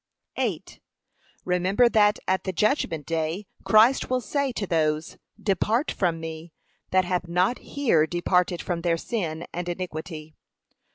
Remember that at the judgment day Christ will say to those, Depart from me, that have not here departed from their sin and iniquity.